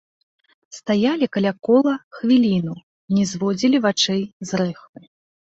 Стаялі каля кола хвіліну, не зводзілі вачэй з рэхвы.